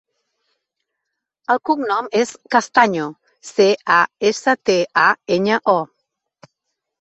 El cognom és Castaño: ce, a, essa, te, a, enya, o.